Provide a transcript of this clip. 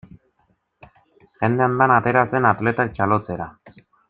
Jende andana atera zen atletak txalotzera.